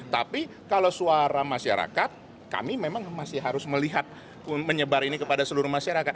tapi kalau suara masyarakat kami memang masih harus melihat menyebar ini kepada seluruh masyarakat